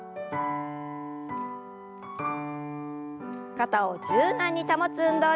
肩を柔軟に保つ運動です。